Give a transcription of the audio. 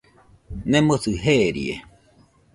Nemosɨ jeerie.